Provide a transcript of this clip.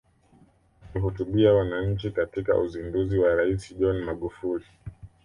Akihutubia wananchi katika uzinduzi wa Rais John Magufuli